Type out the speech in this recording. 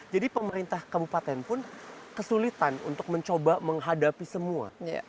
jadi pemerintah kabupaten pun kesulitan untuk mencoba menghadapi semua